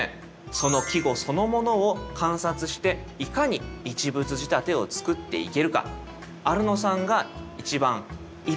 その季語そのものを観察していかに一物仕立てを作っていけるか。